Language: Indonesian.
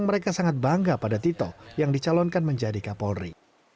mereka sangat bangga pada tito yang dicalonkan menjadi kapolri